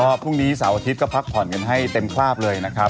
ก็พรุ่งนี้เสาร์อาทิตย์ก็พักผ่อนกันให้เต็มคราบเลยนะครับ